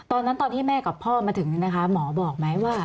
ตอนนั้นตอนที่แม่กับพ่อมาถึงนะคะหมอบอกไหมว่า